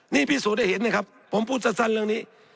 นี่พี่สูตรได้เห็นนะครับผมพูดสัดเรื่องนี้